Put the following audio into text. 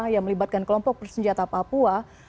yang melibatkan kelompok bersenjata papua